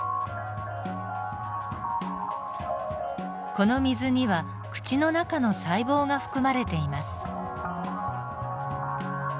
この水には口の中の細胞が含まれています。